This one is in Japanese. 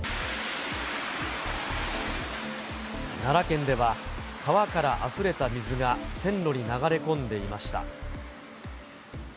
奈良県では、川からあふれた水が線路に流れ込んでいました。